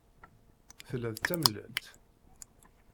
Tella d tamellalt.